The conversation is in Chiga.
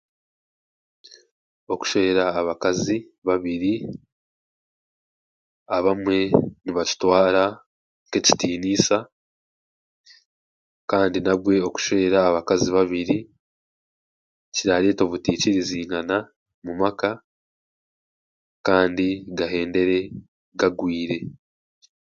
Abebembezi beine kuba barashitamiisa abaantu ab'ekyanga bakabagambira engyeri eyi beine kuba bareetwazamu n'ebintu ebi bashemereire kuba barakora birabaasa kubayamba kutuma amagara gabo gaba omubuteeka.